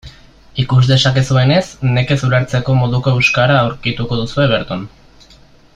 Ikus dezakezuenez, nekez ulertzeko moduko euskara aurkituko duzue berton.